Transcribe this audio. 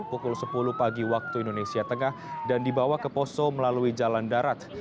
pukul sepuluh pagi waktu indonesia tengah dan dibawa ke poso melalui jalan darat